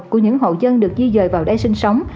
của những hộ dân được di dời vào đây sinh sống